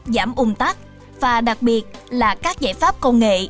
giảm ung tắc và đặc biệt là các giải pháp công nghệ